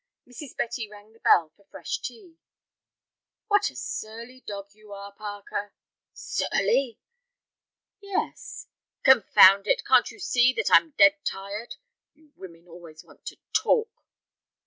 Mrs. Betty rang the bell for fresh tea. "What a surly dog you are, Parker." "Surly!" "Yes." "Confound it, can't you see that I'm dead tired? You women always want to talk."